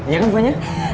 iya kan fonnya